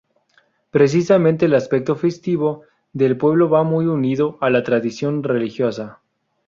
Precisamente el aspecto festivo del pueblo va muy unido a la tradición religiosa.